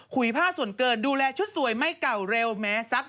ุยผ้าส่วนเกินดูแลชุดสวยไม่เก่าเร็วแม้ซัก